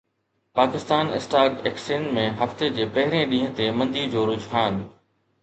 Pakistan stock exchange ۾ هفتي جي پهرين ڏينهن تي مندي جو رجحان